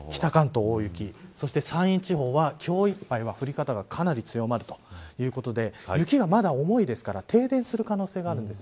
そして、山陰地方は今日いっぱいは降り方がかなり強まるということで雪がまだ重いので停電する可能性があります。